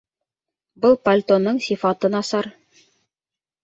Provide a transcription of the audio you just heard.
Был пальтоның сифаты насар